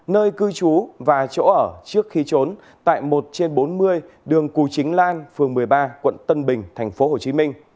nơi cư trú và chỗ ở trước khi trốn tại một trên bốn mươi đường cù chính lan phường một mươi ba quận tân bình tp hcm